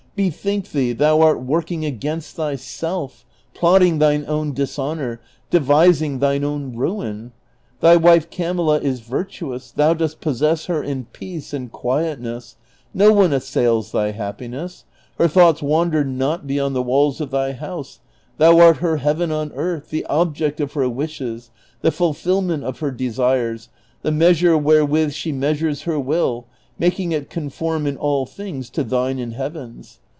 Bethink thee thou art work ing against thyself, plotting thine own dishonor, devising thine own ruin. Thy wife Camilla is virtuous, thou dost possess her in peace and quietness, no one assails thy happiness, her thoughts wander not beyond the walls of thy house, thou art her heaven on earth, the ob ject of her wishes, the fuKilment of her desires, tlie measure where with she measures her will, making it conform in all things to thine and Heaven's.